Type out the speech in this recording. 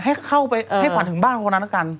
ให้เข้าไปให้ฝันถึงบ้านคนนั้นแล้วกัน